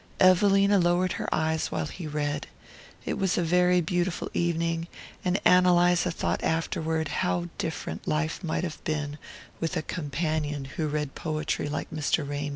Evelina lowered her lids while he read. It was a very beautiful evening, and Ann Eliza thought afterward how different life might have been with a companion who read poetry like Mr. Ramy.